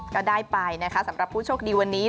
ก็ได้ไปนะคะสำหรับผู้โชคดีวันนี้